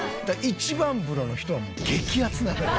一番風呂の人はもう激アツなのよ。